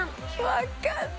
よかった！